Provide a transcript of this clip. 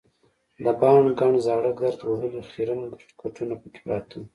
د باڼه ګڼ زاړه ګرد وهلي خیرن کټونه پکې پراته وو.